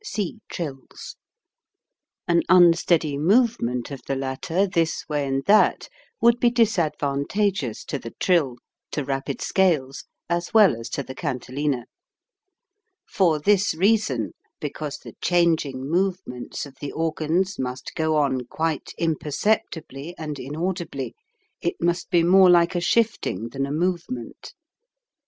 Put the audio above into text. (See "Trills.") An unsteady movement of the latter, this way RESONANCE OF THE HEAD CAVITIES 131 and that, would be disadvantageous to the trill, to rapid scales, as well as to the cantilena. For this reason, because the changing move ments of the organs must go on quite im perceptibly and inaudibly, it must be more like a shifting than a movement.